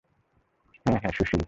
হ্যাঁ হ্যাঁ, সুশীল।